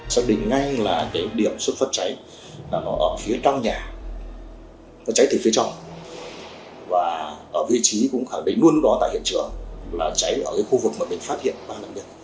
xác định ngay là cái điểm xuất phát cháy là nó ở phía trong nhà nó cháy từ phía trong và ở vị trí cũng khẳng định luôn đó tại hiện trường là cháy ở cái khu vực mà mình phát hiện ba nạn nhân